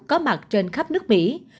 có mặt trên khắp nước mỹ